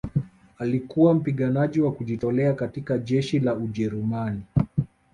alikuwa mpiganaji wa kujitolea katika jeshi la ujerumani